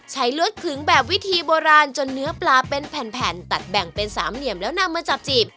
ลวดขึงแบบวิธีโบราณจนเนื้อปลาเป็นแผ่นตัดแบ่งเป็นสามเหลี่ยมแล้วนำมาจับจีบ